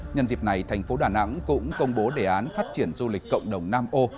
nhân dịp này thành phố đà nẵng cũng công bố đề án phát triển du lịch cộng đồng nam ô